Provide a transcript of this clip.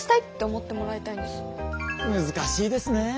難しいですねえ